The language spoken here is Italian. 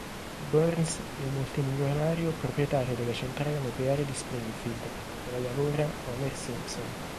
Burns è il multimilionario proprietario della centrale nucleare di Springfield, dove lavora Homer Simpson.